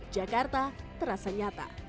jakarta terasa nyata